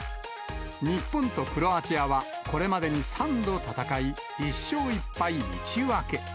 日本とクロアチアは、これまでに３度戦い、１勝１敗１分け。